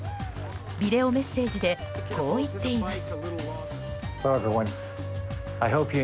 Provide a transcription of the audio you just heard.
ビデオメッセージでこう言っています。